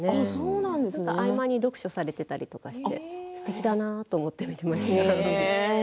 合間に読書をされていたりしてすてきだと思って見ています。